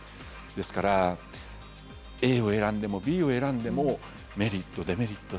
ですからＡを選んでもＢを選んでもメリットデメリット